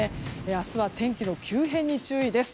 明日は天気の急変に注意です。